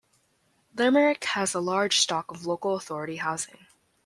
Limerick has a large stock of local authority housing.